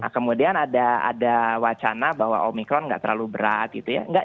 kemudian ada wacana bahwa omikron nggak terlalu berat gitu ya